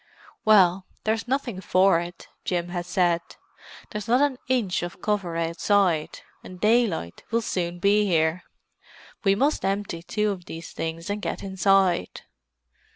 "Well, there's nothing for it," Jim had said. "There's not an inch of cover outside, and daylight will soon be here. We must empty two of these things and get inside."